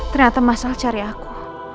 ternyata mas al cari aku